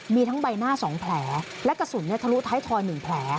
มีทั้งใบหน้า๒แผลและกระสุนทะลุท้ายทอย๑แผล